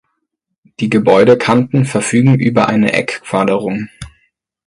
Die Gebäudekanten verfügen über eine Eckquaderung.